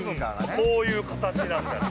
こういう形なんじゃない？